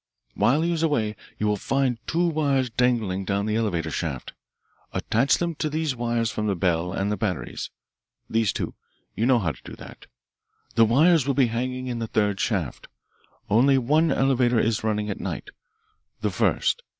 While he is away you will find two wires dangling down the elevator shaft. Attach them to these wires from the bell and the batteries these two you know how to do that. The wires will be hanging in the third shaft only one elevator is running at night, the first.